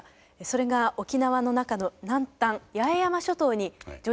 それが沖縄の中の南端八重山諸島に上陸します。